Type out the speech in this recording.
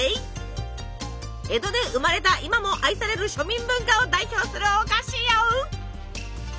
江戸で生まれた今も愛される庶民文化を代表するお菓子よ。